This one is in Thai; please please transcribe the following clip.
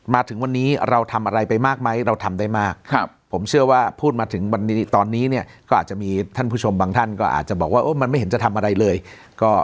มาถึงวันนี้เราทำอะไรไปมากไหมเราทำได้มากผมเชื่อว่าพูดมาถึงวันนี้ตอนนี้เนี่ยก็อาจจะมีท่านผู้ชมบางท่านก็อาจจะบอกว่ามันไม่เห็นจะทำอะไรเลย